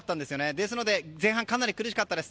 ですので前半苦しかったです。